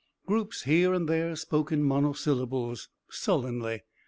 Groups here and there spoke in monosyllables, sullenly.